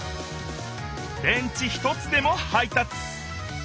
電池一つでも配達。